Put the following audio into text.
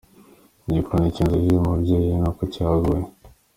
Igikoni cy'inzu y'uyu mubyeyi ni uku cyaguye.